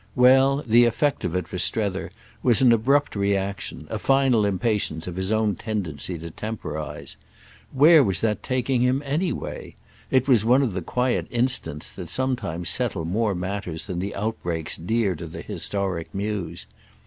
Well, the effect of it for Strether was an abrupt reaction, a final impatience of his own tendency to temporise. Where was that taking him anyway? It was one of the quiet instants that sometimes settle more matters than the outbreaks dear to the historic muse.